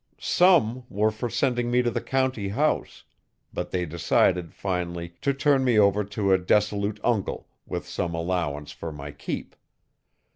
Some were for sending me to the county house; but they decided, finally, to turn me over to a dissolute uncle, with some allowance for my keep.